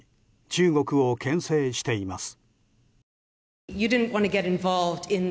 中国を牽制しています。